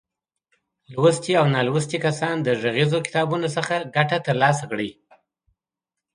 لوستي او نالوستي کسان د غږیزو کتابونو څخه ګټه تر لاسه کړي.